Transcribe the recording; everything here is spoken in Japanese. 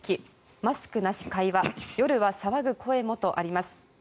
マスクなし会話夜は騒ぐ声もとあります。